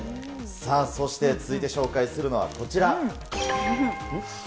さあ、そして続いて紹介するのはこちら。